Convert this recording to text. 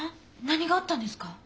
何があったんですか？